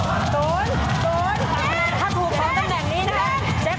ถ้าถูกพยายามจากตำแหน่งนี้นะครับ